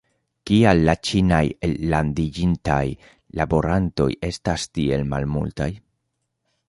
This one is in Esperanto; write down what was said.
Kial la ĉinaj ellandiĝintaj laborantoj estas tiel malmultaj?